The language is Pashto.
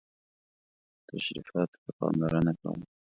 تشریفاتو ته پاملرنه کوله.